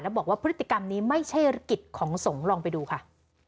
แล้วบอกว่าพฤติกรรมนี้ไม่ใช่กิจของสงฆ์ลองไปดูค่ะ